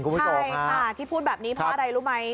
ใช่ค่ะที่พูดแบบนี้เพราะอะไรรู้ไหม